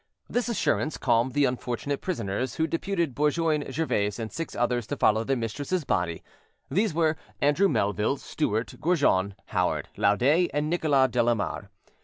This assurance calmed the unfortunate prisoners, who deputed Bourgoin, Gervais, and six others to follow their mistress's body: these were Andrew Melville, Stewart, Gorjon, Howard, Lauder, and Nicholas Delamarre.